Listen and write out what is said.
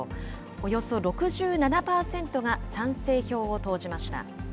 およそ６７％が賛成票を投じました。